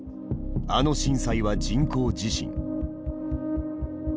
「あの震災は人工地震！」。